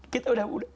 kita udah muda